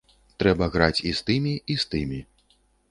Трэба граць і з тымі, і з тымі.